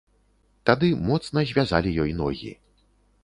Тады моцна звязалі ёй ногі.